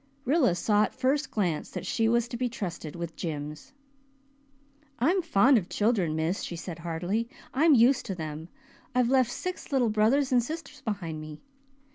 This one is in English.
Rilla saw at first glance that she was to be trusted with Jims. "I'm fond of children, miss," she said heartily. "I'm used to them I've left six little brothers and sisters behind me.